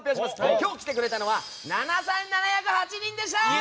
今日来てくれたのは７７０８人でした！